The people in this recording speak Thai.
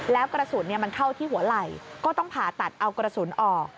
แล้วกระสุนมันเข้าที่หัวไหล่ก็ต้องผ่าตัดเอากระสุนออก